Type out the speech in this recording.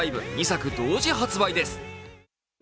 ２作同時発売です。